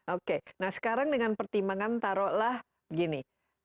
oke nah sekarang dengan pertimbangan taruhlah gini